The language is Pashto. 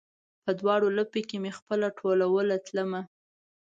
په دواړ ولپو کې مې خپله ټولوله تلمه